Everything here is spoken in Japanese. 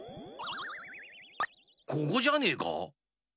ここじゃねえか？